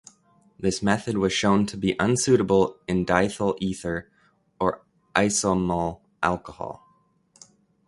This method was shown to be unsuitable in diethyl ether or isoamyl alcohol.